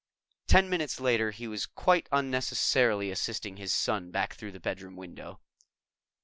Ten minutes later, he was quite unnecessarily assisting his son back through the bedroom window.